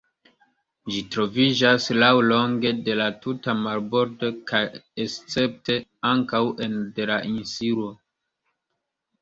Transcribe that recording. Ĝi troviĝas laŭlonge de la tuta marbordo kaj escepte ankaŭ ene de la insulo.